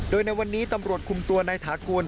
โดยในวันนี้ตำรวจคุมตัวนายถากูล